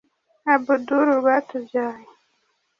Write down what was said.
Abdul Rwatubyaye